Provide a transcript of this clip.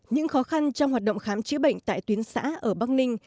những khó khăn trong hoạt động khám chữa bệnh tại tuyến xã ở bắc ninh